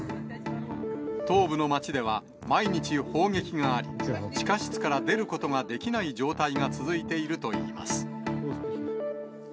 東部の町では、毎日砲撃があり、地下室から出ることができない状態が続いているといいます。